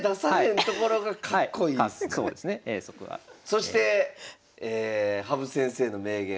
そして羽生先生の名言。